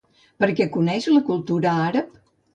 Per què coneix la cultura àrab?